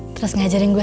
terus ngajarin gue silat